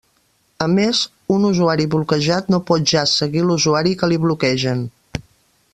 A més, un usuari bloquejat no pot ja seguir l'usuari que li bloquegen.